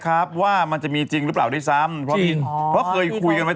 แอวค์จี้มิงไป